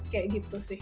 kayak gitu sih